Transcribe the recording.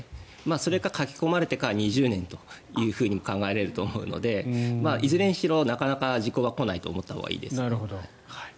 それか書き込まれてから２０年とも考えられると思うのでいずれにしろ、なかなか時効は来ないと思ったほうがいいです。